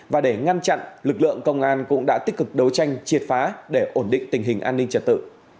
và để ngăn chặn lực lượng công an cũng đã tích cực đấu tranh triệt phá để ổn định tình hình an ninh trật tự